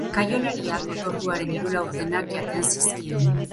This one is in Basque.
Kaiolariak otorduaren hiru laurdenak jaten zizkion.